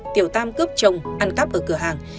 tiểu tam cướp chồng ăn cắp ở cửa hàng